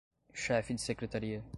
chefe de secretaria